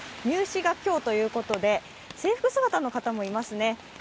入試が今日ということで、制服姿の方もいますね。